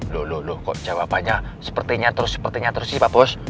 lho lho lho kok jawabannya sepertinya terus sepertinya terus sih pak bos